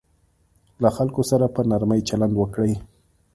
له خلکو سره په نرمي چلند وکړئ.